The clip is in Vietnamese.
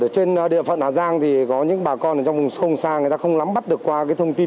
trên địa phận hà giang thì có những bà con trong vùng không xa người ta không lắm bắt được qua thông tin